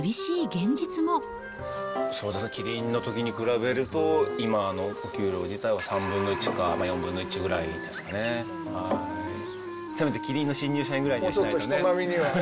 そうですね、キリンのときに比べると、今のお給料自体は３分の１か、まあ４分の１ぐらいですかね。せめてキリンの新入社員ぐらいにはしたいねって。